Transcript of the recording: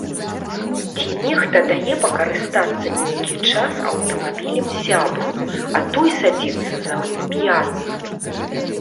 Ці нехта дае пакарыстацца нейкі час аўтамабілем сябру, а той садзіцца за руль п'яны.